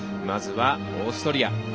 まずは、オーストリア。